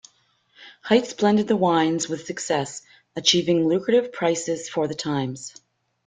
Heitz blended the wines with success, achieving lucrative prices for the times.